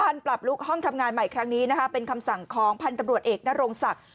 ปรับลุกห้องทำงานใหม่ครั้งนี้นะคะเป็นคำสั่งของพันธุ์ตำรวจเอกนโรงศักดิ์